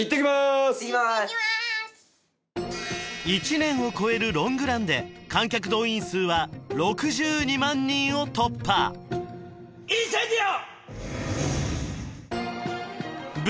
１年を超えるロングランで観客動員数は６２万人を突破インセンディオ！